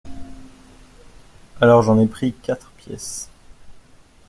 Alors, j’en ai pris quatre pièces…